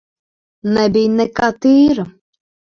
Nebija nekā tīra.